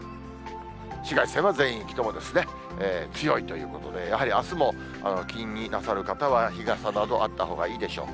紫外線は全域とも強いということで、やはりあすも、気になさる方は日傘などあったほうがいいでしょう。